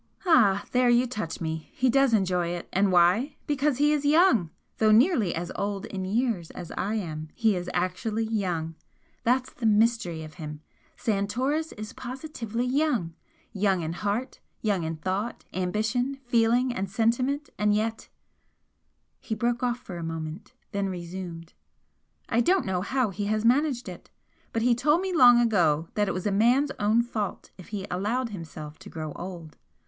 "Ah! There you touch me! He does enjoy it, and why? Because he is young! Though nearly as old in years as I am, he is actually young! That's the mystery of him! Santoris is positively young young in heart, young in thought, ambition, feeling and sentiment, and yet " He broke off for a moment, then resumed. "I don't know how he has managed it, but he told me long ago that it was a man's own fault if he allowed himself to grow old.